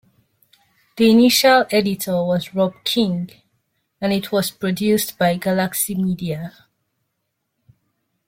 The initial editor was Rob King and it was produced by Galaxy Media.